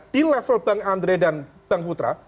di level bang andre dan bang putra